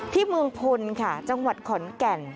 ที่เมืองพลค่ะจังหวัดขอนแก่น